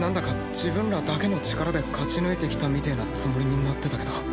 自分らだけの力で勝ち抜いてきたみてえなつもりになってたけど。